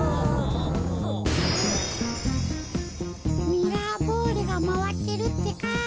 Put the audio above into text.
ミラーボールがまわってるってか。